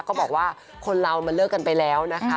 ก็บอกว่าคนเรามันเลิกกันไปแล้วนะคะ